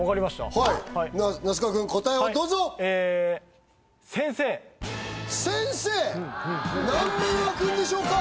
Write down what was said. はい那須川くん答えをどうぞはいええ先生先生何面あくんでしょうか？